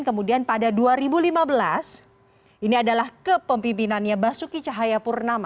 kemudian pada dua ribu lima belas ini adalah kepemimpinannya basuki cahayapurnama